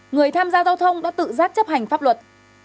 người tham gia giao thông đã tự giác chấp hành pháp luật